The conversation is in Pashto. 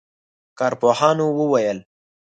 کارپوهانو وویل